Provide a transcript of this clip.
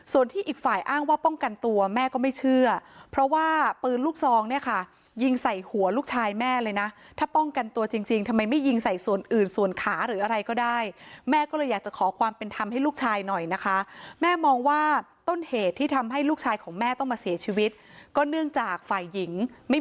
ส่วนที่อีกฝ่ายอ้างว่าป้องกันตัวแม่ก็ไม่เชื่อเพราะว่าปืนลูกซองเนี่ยค่ะยิงใส่หัวลูกชายแม่เลยนะถ้าป้องกันตัวจริงทำไมไม่ยิงใส่ส่วนอื่นส่วนขาหรืออะไรก็ได้แม่ก็เลยอยากจะขอความเป็นธรรมให้ลูกชายหน่อยนะคะแม่มองว่าต้นเหตุที่ทำให้ลูกชายของแม่ต้องมาเสียชีวิตก็เนื่องจากฝ่ายหญิงไม่